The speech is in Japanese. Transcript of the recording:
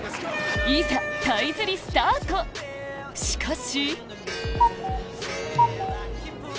しかし！